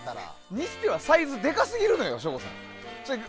にしてはサイズがでかすぎるのよ、省吾さん。